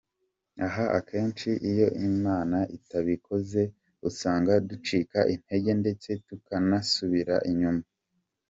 Aha akenshi iyo Imana itabikoze usanga ducika intege ndetse tukanasubira inyuma.